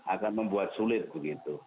akan membuat sulit begitu